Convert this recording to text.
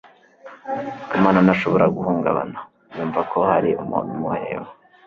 kamana ntashobora guhungabana yumva ko hari umuntu umureba